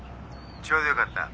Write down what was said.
ちょうどよかった。